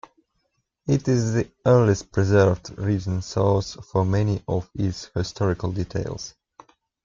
It is the earliest preserved written source for many of its historical details.